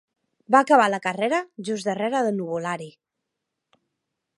Va acabar la carrera just darrera de Nuvolari.